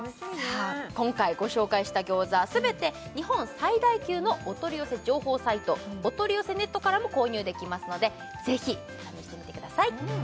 今回ご紹介した餃子すべて日本最大級のお取り寄せ情報サイトおとりよせネットからも購入できますのでぜひ試してみてください